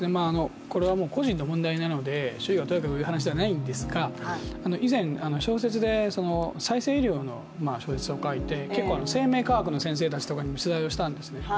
これは個人の問題なので周囲がとやかく言う話ではないんですが以前、小説で再生医療の小説を書いて生命科学の先生たちにも取材をしたんですね。